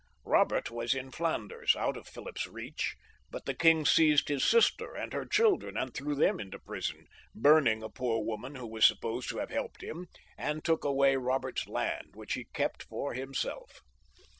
Eobert was in Flanders, out of Philip's reach, but the king seized his sister and her children, and threw them into prison, burning a poor woman who was supposed to have helped him, and took away Eobert's land, which he kept for himself.